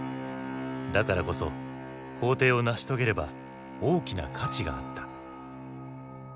だからこそ校訂を成し遂げれば大きな価値があった。